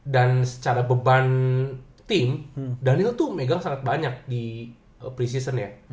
dan secara beban tim daniel tuh megang sangat banyak di pre seasonnya